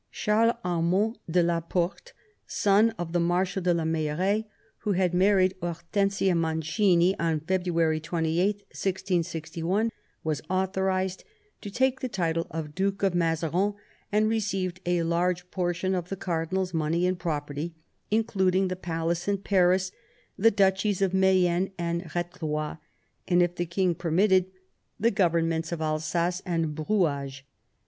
Charles Armand de la Porte, son of the Marshal de la Meilleraye, who had married Hortensia Mancini on February 28, 1661, was authorised to take the title of Duke of Mazarin, and received a large portion of the cardinal's money and property, including the palace in Paris, the duchies of Mayenne and Eethelois, and, if the king permitted, the governments of Alsace and Brouage.